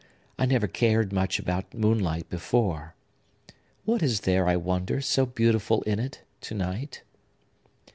I never cared much about moonlight before. What is there, I wonder, so beautiful in it, to night?"